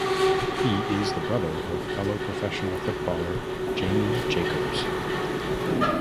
He is the brother of fellow professional footballer Jamie Jacobs.